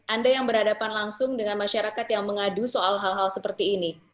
anda yang berhadapan langsung dengan masyarakat yang mengadu soal hal hal seperti ini